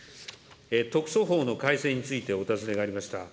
特措法の改正についてお尋ねがありました。